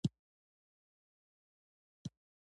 په پاک زړه کښېنه، حسد مه کوه.